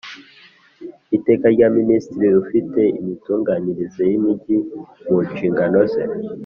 Iteka rya Minisitiri ufite imitunganyirize y’imijyi mu nshingano ze